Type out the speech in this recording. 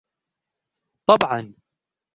طبعاً.